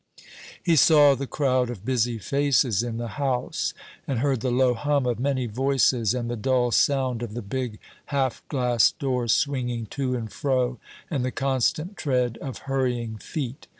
He saw the crowd of busy faces in the House, and heard the low hum of many voices, and the dull sound of the big half glass doors swinging to and fro, and the constant tread of hurrying feet.